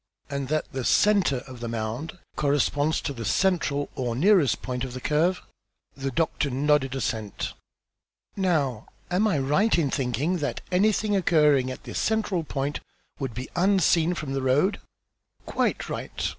"And that the centre of the mound corresponds to the central or nearest point of the curve?" The doctor nodded assent. "Now am I right in thinking that anything occurring at this central point would be unseen from the road?" "Quite right.